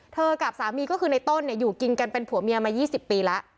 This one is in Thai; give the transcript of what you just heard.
กับสามีก็คือในต้นอยู่กินกันเป็นผัวเมียมา๒๐ปีแล้ว